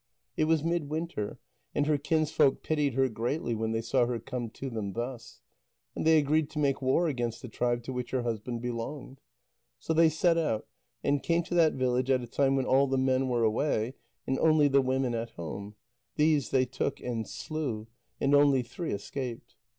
It was midwinter, and her kinsfolk pitied her greatly when they saw her come to them thus. And they agreed to make war against the tribe to which her husband belonged. So they set out, and came to that village at a time when all the men were away, and only the women at home; these they took and slew, and only three escaped.